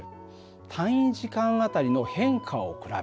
単位時間あたりの変化を比べる。